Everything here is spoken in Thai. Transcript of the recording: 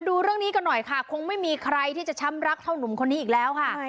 ดูเรื่องนี้กันหน่อยค่ะคงไม่มีใครที่จะช้ำรักเท่านุ่มคนนี้อีกแล้วค่ะ